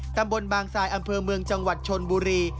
ตำบลบางทรายอำเภอเมืองจังหวัดชนบุรี